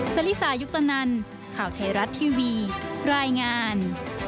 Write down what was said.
สลิสายุปตนันข่าวไทยรัฐทีวีรายงาน